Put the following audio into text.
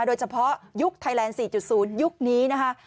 โดยเฉพาะยุคไทยแลนด์๔๐ยุคนี้นะฮะ